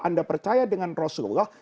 anda percaya dengan rasulullah